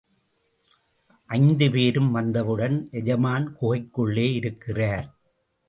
ஐந்து பேரும் வந்தவுடன், எஜமான் குகைக்குள்ளே இருக்கிறார்.